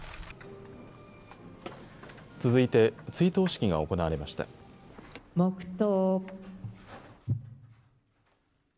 続いて追悼式が行われました。